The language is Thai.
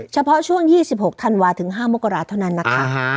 เฉพาะช่วง๒๖ธันวาถึง๕มกราศเท่านั้นนะคะ